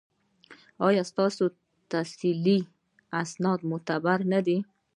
ایا ستاسو تحصیلي اسناد معتبر نه دي؟